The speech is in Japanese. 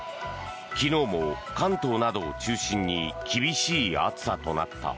昨日も関東などを中心に厳しい暑さとなった。